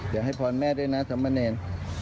อยากให้พอลแม่ด้วยนะสำเนร